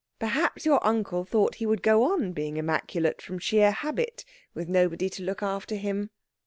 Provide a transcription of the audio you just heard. Perhaps your uncle thought he would go on being immaculate from sheer habit, with nobody to look after him."